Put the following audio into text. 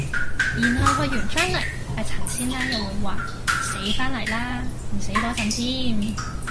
然後去完番嚟,阿陳師奶又會話：死番嚟啦，唔死多陣添?